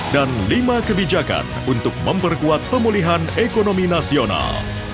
dan lima kebijakan untuk memperkuat pemulihan ekonomi nasional